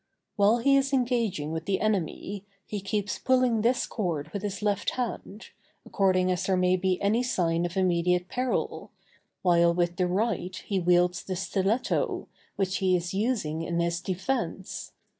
While he is engaging with the enemy, he keeps pulling this cord with his left hand, according as there may be any sign of immediate peril, while with the right he wields the stiletto, which he is using in his defence.